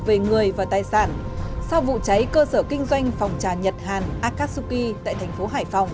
về người và tài sản sau vụ cháy cơ sở kinh doanh phòng cháy nhật hàng akatsuki tại tp hải phòng